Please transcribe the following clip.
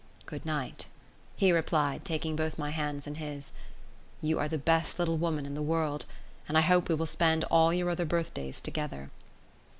"Good night," he replied, taking both my hands in his. "You are the best little woman in the world, and I hope we will spend all your other birthdays together."